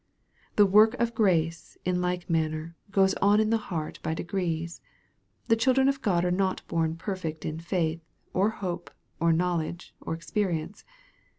The work of grace, in like manner, goes on in the heart by degrees. The children of God are not born perfect in faith, or hope, or knowledge, or experience.